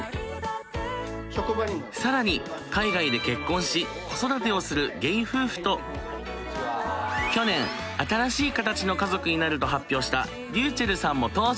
更に海外で結婚し子育てをするゲイ夫夫と去年新しい形の家族になると発表したｒｙｕｃｈｅｌｌさんも登場。